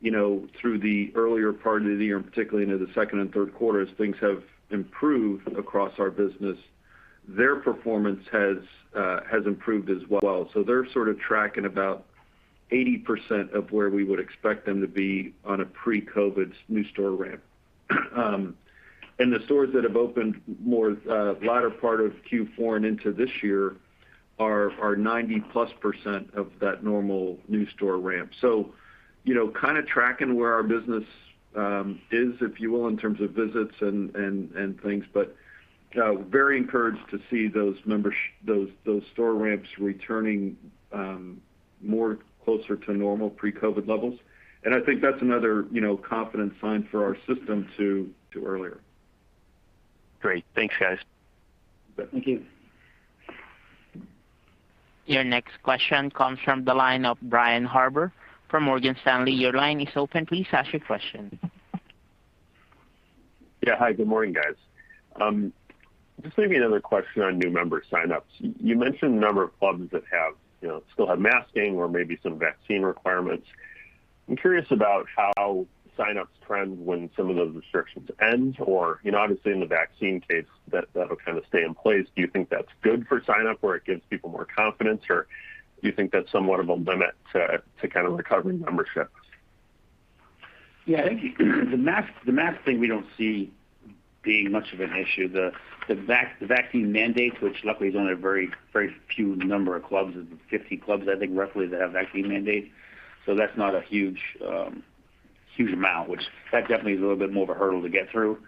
you know, through the earlier part of the year, and particularly into the second and third quarters, things have improved across our business. Their performance has improved as well. They're sort of tracking about 80% of where we would expect them to be on a pre-COVID new store ramp. The stores that have opened in the latter part of Q4 and into this year are 90%+ of that normal new store ramp. You know, kind of tracking where our business is, if you will, in terms of visits and things. Very encouraged to see those store ramps returning more closer to normal pre-COVID levels. I think that's another confident sign for our system too early. Great. Thanks, guys. Thank you. Your next question comes from the line of Brian Harbour from Morgan Stanley. Your line is open. Please ask your question. Yeah. Hi, good morning, guys. Just maybe another question on new member sign-ups. You mentioned a number of clubs that have, you know, still have masking or maybe some vaccine requirements. I'm curious about how sign-ups trend when some of those restrictions end or, you know, obviously in the vaccine case, that'll kind of stay in place. Do you think that's good for sign-up, where it gives people more confidence, or do you think that's somewhat of a limit to kind of recovering memberships? Yeah. The mask thing we don't see being much of an issue. The vaccine mandates, which luckily is only a very few number of clubs, 50 clubs, I think, roughly, that have vaccine mandates. That's not a huge amount, which that definitely is a little bit more of a hurdle to get through.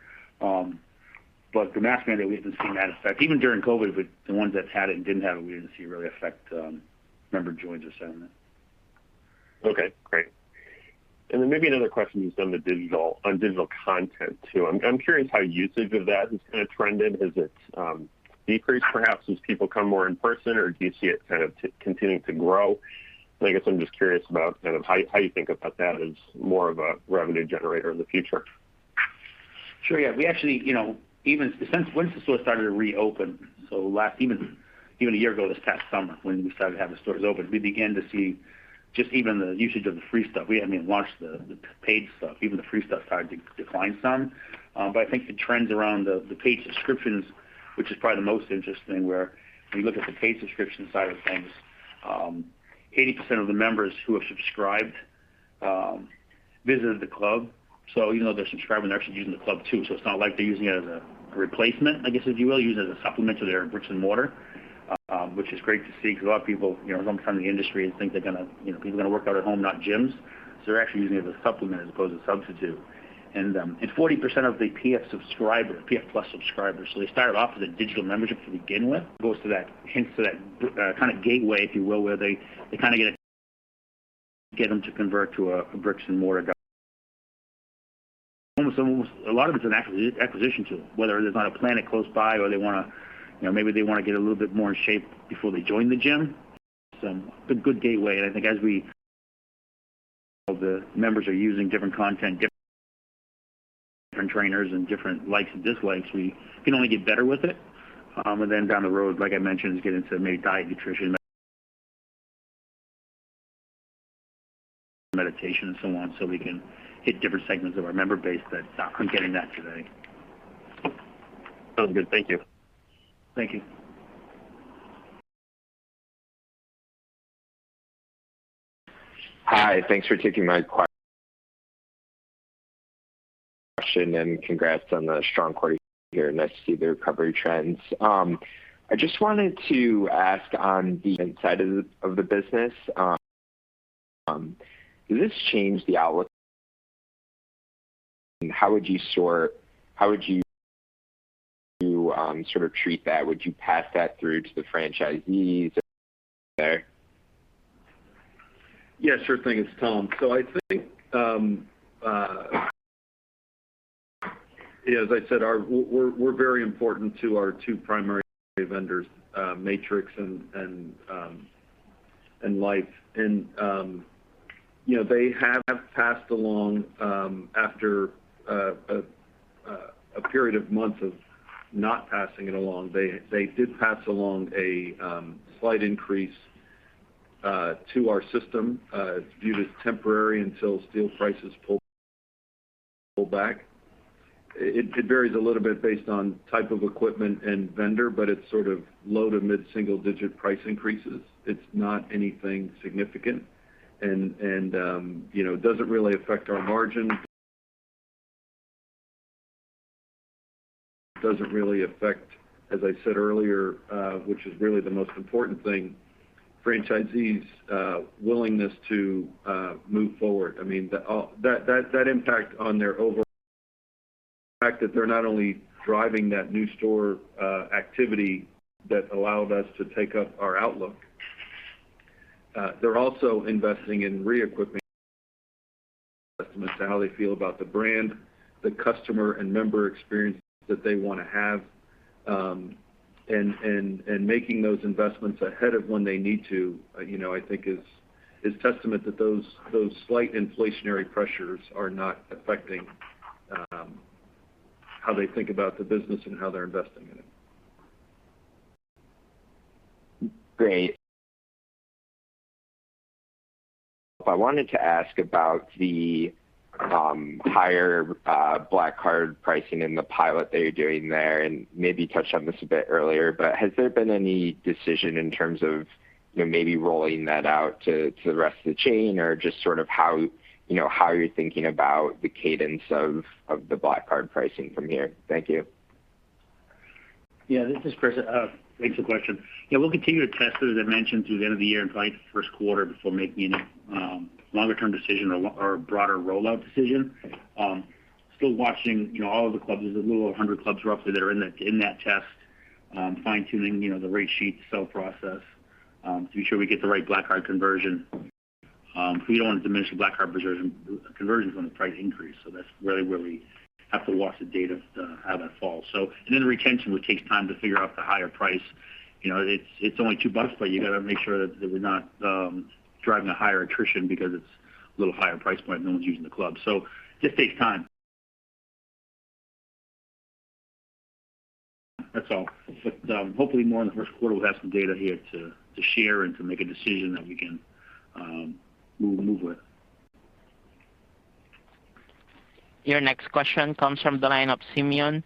The mask mandate, we haven't seen that affect. Even during COVID with the ones that had it and didn't have it, we didn't see it really affect member joins or so. Okay, great. Maybe another question just on the digital content too. I'm curious how usage of that has kind of trended. Has it decreased perhaps as people come more in person, or do you see it kind of continuing to grow? I guess I'm just curious about kind of how you think about that as more of a revenue generator in the future. Sure, yeah. We actually, you know, even since once the stores started to reopen, even a year ago this past summer when we started to have the stores open, we began to see just even the usage of the free stuff. We hadn't even launched the paid stuff. Even the free stuff started to decline some. But I think the trends around the paid subscriptions, which is probably the most interesting, where when you look at the paid subscription side of things, 80% of the members who have subscribed visited the club. Even though they're subscribing, they're actually using the club too. It's not like they're using it as a replacement, I guess, if you will. Using it as a supplement to their bricks-and-mortar, which is great to see because a lot of people, you know, coming from the industry think they're gonna, you know, people are gonna work out at home, not gyms. They're actually using it as a supplement as opposed to a substitute. 40% of the PF subscriber, PF+ subscribers, so they started off with a digital membership to begin with, goes to that hints to that kind of gateway, if you will, where they kinda get them to convert to a bricks-and-mortar. Almost a lot of it's an acquisition tool, whether there's not a Planet close by or they wanna, you know, maybe they wanna get a little bit more in shape before they join the gym. A good gateway. I think as we the members are using different content, different trainers and different likes and dislikes, we can only get better with it. Then down the road, like I mentioned, get into maybe diet, nutrition, meditation and so on, so we can hit different segments of our member base that are getting that today. Sounds good. Thank you. Thank you. Hi. Thanks for taking my question, and congrats on the strong quarter here. Nice to see the recovery trends. I just wanted to ask on the inside of the business, does this change the outlook? How would you sort of treat that? Would you pass that through to the franchisees there? Yeah, sure thing. It's Tom. I think, as I said, we're very important to our two primary vendors, Matrix and Life Fitness. You know, they have passed along, after a period of months of not passing it along. They did pass along a slight increase to our system. It's viewed as temporary until steel prices pull back. It varies a little bit based on type of equipment and vendor, but it's sort of low- to mid-single-digit price increases. It's not anything significant and, you know, it doesn't really affect our margin, as I said earlier, which is really the most important thing, franchisees' willingness to move forward. I mean the impact of the fact that they're not only driving that new store activity that allowed us to take up our outlook. They're also investing in re-equipping to how they feel about the brand, the customer and member experience that they wanna have, and making those investments ahead of when they need to, you know, I think is testament that those slight inflationary pressures are not affecting how they think about the business and how they're investing in it. Great. I wanted to ask about the higher Black Card pricing and the pilot that you're doing there, and maybe you touched on this a bit earlier. Has there been any decision in terms of, you know, maybe rolling that out to the rest of the chain or just sort of how, you know, how you're thinking about the cadence of the Black Card pricing from here? Thank you. Yeah. This is Chris. Thanks for the question. Yeah. We'll continue to test it, as I mentioned, through the end of the year and probably into first quarter before making any longer-term decision or broader rollout decision. Still watching, you know, all of the clubs. There's a little over 100 clubs roughly that are in that test, fine-tuning, you know, the rate sheet, sales process, to make sure we get the right Black Card conversion. We don't want to diminish the Black Card conversion from the price increase, so that's really where we have to watch the data, how that falls. Then the retention, which takes time to figure out the higher price. You know, it's only $2, but you gotta make sure that we're not driving a higher attrition because it's a little higher price point, no one's using the club. It just takes time. That's all. Hopefully more in the first quarter, we'll have some data here to share and to make a decision that we can move with. Your next question comes from the line of Simeon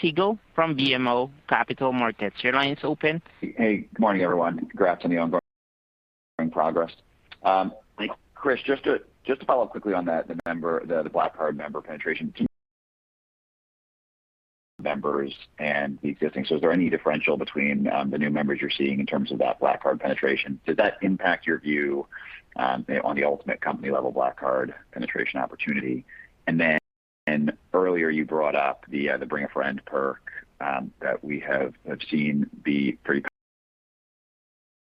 Siegel from BMO Capital Markets. Your line is open. Hey. Good morning, everyone. Congrats on the ongoing progress. Thanks. Chris, just to follow up quickly on that, the Black Card member penetration for new members and the existing. Is there any differential between the new members you're seeing in terms of that Black Card penetration? Does that impact your view on the ultimate company-level Black Card penetration opportunity? Earlier, you brought up the Bring a Friend perk that we have seen,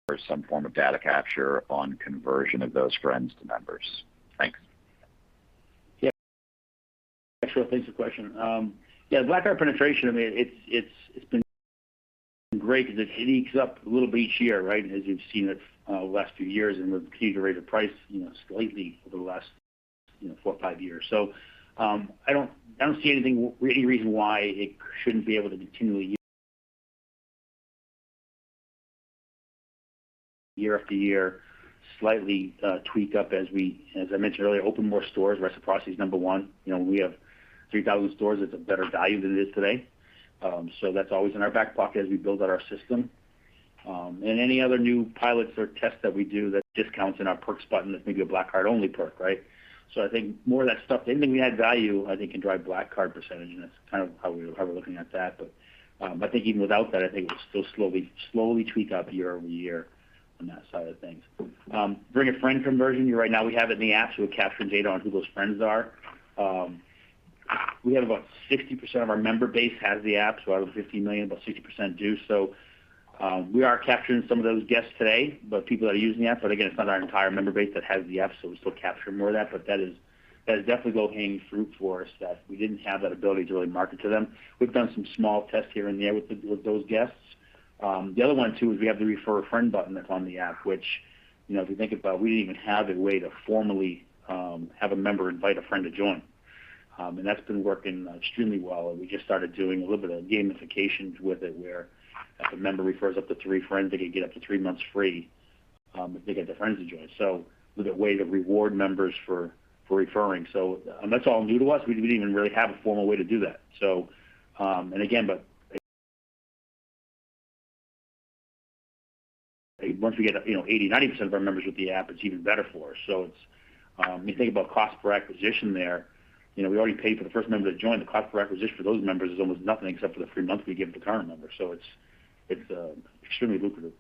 or some form of data capture on conversion of those friends to members. Thanks. Yeah. Sure. Thanks for the question. Yeah, Black Card penetration, I mean, it's been great 'cause it ekes up a little bit each year, right, as you've seen it last few years and we've continued to raise the price, you know, slightly over the last, you know, four or five years. I don't see any reason why it shouldn't be able to continually year after year, slightly tweak up as I mentioned earlier, open more stores. Reciprocity is number one. You know, when we have 3,000 stores, it's a better value than it is today. That's always in our back pocket as we build out our system. Any other new pilots or tests that we do that discounts in our perks button, that's maybe a Black Card-only perk, right? I think more of that stuff, anything that add value, I think can drive Black Card percentage, and that's kind of how we're looking at that. I think even without that, I think we'll still slowly tweak up year-over-year on that side of things. Bring a Friend conversion, right now we have it in the app, so it captures data on who those friends are. We have about 60% of our member base has the app. Out of 15 million, about 60% do. We are capturing some of those guests today, but people that are using the app. Again, it's not our entire member base that has the app, so we're still capturing more of that. That is definitely low-hanging fruit for us that we didn't have that ability to really market to them. We've done some small tests here and there with those guests. The other one too is we have the Refer a Friend button that's on the app, which, you know, if you think about it, we didn't even have a way to formally have a member invite a friend to join. That's been working extremely well. We just started doing a little bit of gamifications with it, where if a member refers up to three friends, they could get up to three months free, if they get their friends to join. A little bit way to reward members for referring. That's all new to us. We didn't even really have a formal way to do that. Once we get, you know, 80, 90% of our members with the app, it's even better for us. It's when you think about cost per acquisition there, you know, we already paid for the first member to join. The cost per acquisition for those members is almost nothing except for the free month we give the current member. It's extremely lucrative.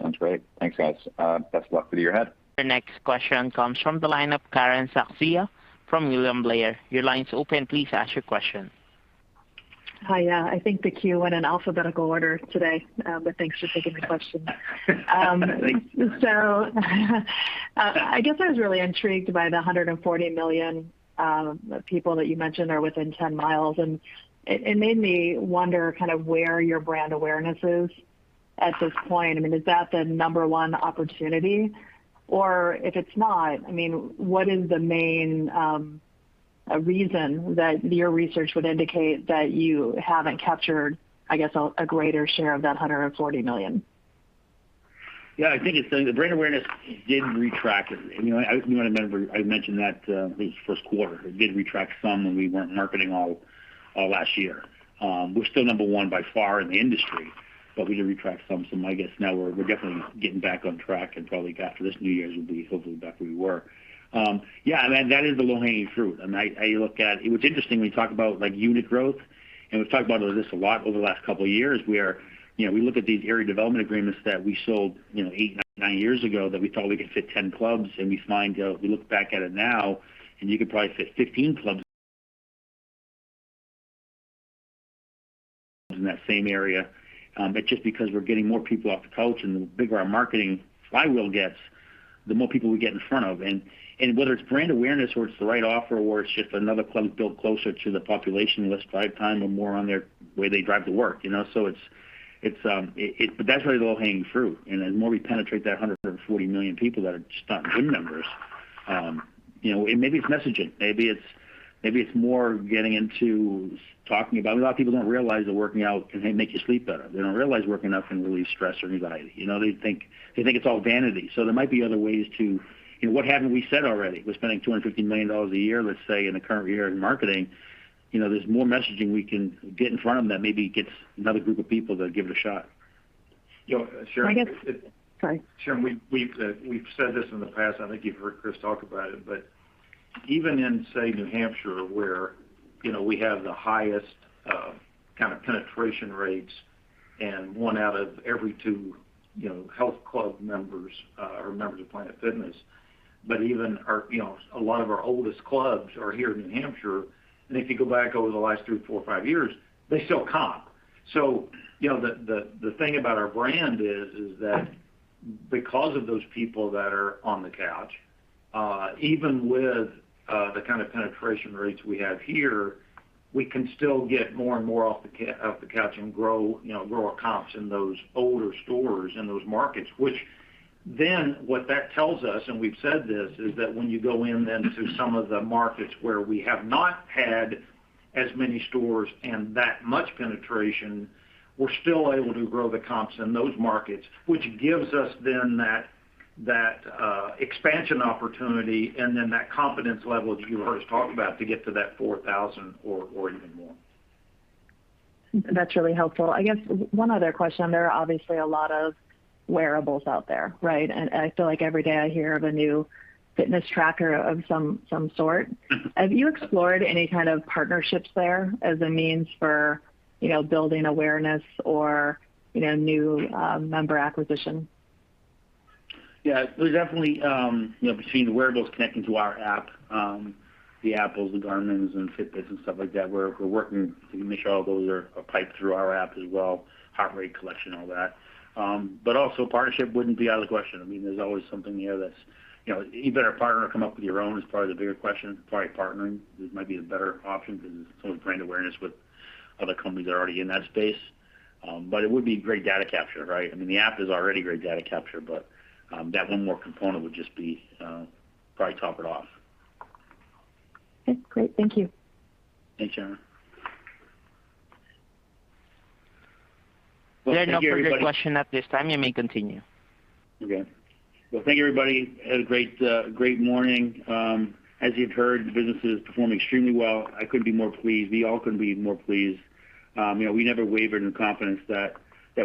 Sounds great. Thanks, guys. Best of luck with your head. Your next question comes from the line of Sharon Zackfia from William Blair. Your line is open. Please ask your question. Hi. I think the queue went in alphabetical order today. Thanks for taking the question. I guess I was really intrigued by the 140 million people that you mentioned are within 10 miles, and it made me wonder kind of where your brand awareness is at this point. I mean, is that the number one opportunity? Or if it's not, I mean, what is the main reason that your research would indicate that you haven't captured, I guess, a greater share of that 140 million? Yeah, I think it's the brand awareness did retract. You know what I remember, I mentioned that, I think it was first quarter. It did retract some when we weren't marketing all last year. We're still number one by far in the industry, but we did retract some. My guess now, we're definitely getting back on track and probably after this New Year's, we'll be hopefully back where we were. Yeah, I mean, that is the low-hanging fruit. I mean, I look at. It was interesting when you talk about, like, unit growth, and we've talked about this a lot over the last couple of years. We are, you know, we look at these area development agreements that we sold, you know, eight, nine years ago that we thought we could fit 10 clubs and we find we look back at it now, and you could probably fit 15 clubs in that same area. Just because we're getting more people off the couch and the bigger our marketing flywheel gets, the more people we get in front of. Whether it's brand awareness or it's the right offer or it's just another club built closer to the population in less drive time or more on their way they drive to work, you know? That's really low-hanging fruit. The more we penetrate that 140 million people that are just not gym members, you know. Maybe it's messaging. Maybe it's more getting into talking about it. A lot of people don't realize that working out can make you sleep better. They don't realize working out can relieve stress or anxiety. You know, they think it's all vanity. There might be other ways to, you know, what haven't we said already? We're spending $250 million a year, let's say, in the current year in marketing. You know, there's more messaging we can get in front of them that maybe gets another group of people to give it a shot. You know, Sharon. Sorry. Sharon, we've said this in the past. I think you've heard Chris talk about it. Even in, say, New Hampshire, where, you know, we have the highest kind of penetration rates and one out of every two, you know, health club members are members of Planet Fitness. Even our, you know, a lot of our oldest clubs are here in New Hampshire. If you go back over the last three, four, five years, they still comp. You know, the thing about our brand is that because of those people that are on the couch Even with the kind of penetration rates we have here, we can still get more and more off the couch and grow, you know, grow our comps in those older stores in those markets. Which then what that tells us, and we've said this, is that when you go in then to some of the markets where we have not had as many stores and that much penetration, we're still able to grow the comps in those markets, which gives us then that expansion opportunity and then that confidence level that you first talked about to get to that 4,000 or even more. That's really helpful. I guess one other question. There are obviously a lot of wearables out there, right? I feel like every day I hear of a new fitness tracker of some sort. Have you explored any kind of partnerships there as a means for, you know, building awareness or, you know, new member acquisition? Yeah. We definitely, you know, between the wearables connecting to our app, the Apple, the Garmin and Fitbit and stuff like that, we're working to make sure all those are piped through our app as well, heart rate collection, all that. Also partnership wouldn't be out of the question. I mean, there's always something here that's, you know, either partner or come up with your own is probably the bigger question. Probably partnering might be the better option because there's some brand awareness with other companies that are already in that space. It would be great data capture, right? I mean, the app is already great data capture, but that one more component would just be probably top it off. Okay, great. Thank you. Thanks, Sharon. There are no further questions at this time. You may continue. Okay. Well, thank you, everybody. We had a great morning. As you've heard, the business is performing extremely well. I couldn't be more pleased. We all couldn't be more pleased. You know, we never wavered in confidence that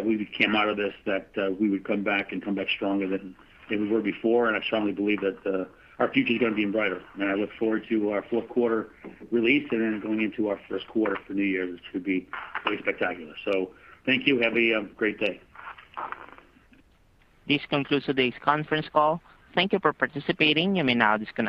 we came out of this, that we would come back and come back stronger than we were before. I strongly believe that our future is gonna be brighter. I look forward to our fourth quarter release and then going into our first quarter for new year, which should be pretty spectacular. Thank you. Have a great day. This concludes today's conference call. Thank you for participating. You may now disconnect.